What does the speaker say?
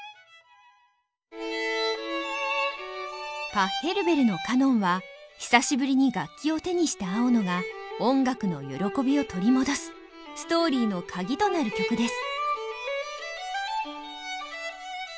パッヘルベルの「カノン」は久しぶりに楽器を手にした青野が音楽の喜びを取り戻すストーリーの鍵となる曲です。